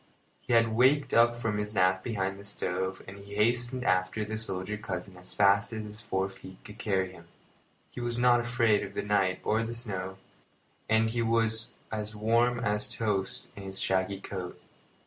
He had waked up from his nap behind the stove, and hastened after the soldier cousin as fast as his four feet could carry him. He was not afraid of the night or the snow, and he was as warm as toast in his shaggy coat.